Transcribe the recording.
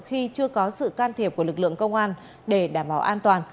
khi chưa có sự can thiệp của lực lượng công an để đảm bảo an toàn